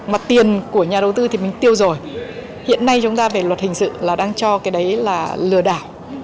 mà tiền của nhà đầu tư thì mình tiêu rồi hiện nay chúng ta về luật hình sự là đang cho cái đấy là lừa đảo